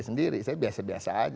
sendiri saya biasa biasa aja